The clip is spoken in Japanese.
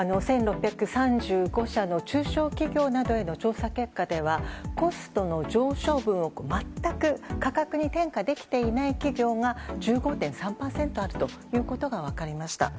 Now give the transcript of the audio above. １６３５社の中小企業などへの調査結果ではコストの上昇分を全く価格に転嫁できていない企業が１５．３％あるということが分かりました。